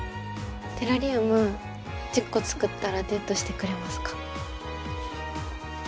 テラリウム１０個作ったらデートしてくれますか？